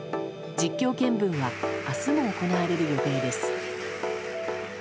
実況見分は明日も行われる予定です。